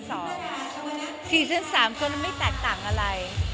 ซีซั่น๓ก็จะไม่แตกต่างอะไร